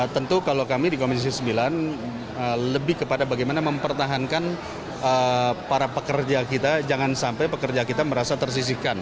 tentu kalau kami di komisi sembilan lebih kepada bagaimana mempertahankan para pekerja kita jangan sampai pekerja kita merasa tersisihkan